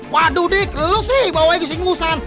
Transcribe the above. waduh dik lo sih bawa gue ke sini ngusan